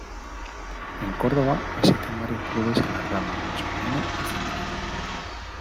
En Córdoba existen varios clubes en las ramas masculina y femenina.